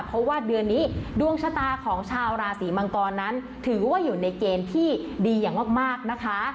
เพราะว่าเดือนนี้ดวงชะตาของชาวราศีมังกรนั้นถือว่าอยู่ในเกณฑ์ที่ดีอย่างมากนะคะ